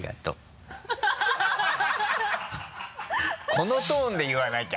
このトーンで言わなきゃ。